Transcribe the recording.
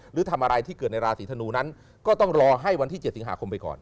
หรือทำอะไรที่เกิดในราศีธนูนั้นก็ต้องรอให้วันที่๗สิงหาคมไปก่อน